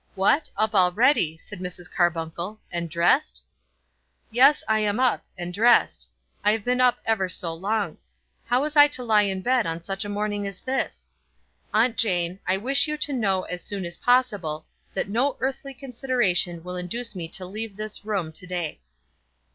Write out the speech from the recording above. "What, up already," said Mrs. Carbuncle, "and dressed?" "Yes; I am up, and dressed. I have been up ever so long. How was I to lie in bed on such a morning as this? Aunt Jane, I wish you to know as soon as possible that no earthly consideration will induce me to leave this room to day."